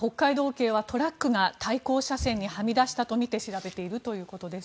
警はトラックが対向車線にはみ出したとみて調べているということです。